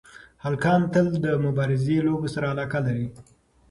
هلکان تل د مبارزې لوبو سره علاقه لري.